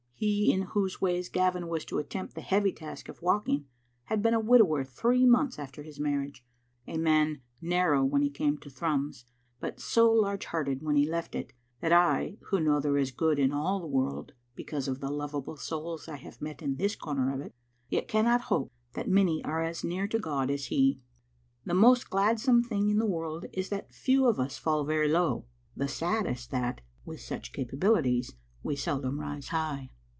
He in whose ways Gavin was to attempt the heavy task of walking had been a widower three months after his marriage, a man narrow when he came to Thrums, but so large hearted when he left it that I, who know there is good in all the world because of the lovable souls I have met in this comer of it, yet cannot hope that many are as near to God as he. The most gladsome thing in the world is that few of us fall very low ; the saddest that, with such capabilities, we seldom rise high.